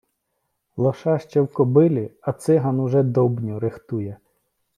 Лоша ще в кобилі, а циган уже довбню ріхтує.